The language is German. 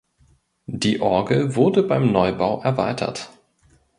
Die Orgel wurde beim Neubau erweitert.